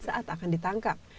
saat akan ditangkap